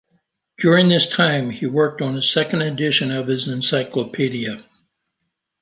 During this time, he worked on a second edition of his encyclopedia.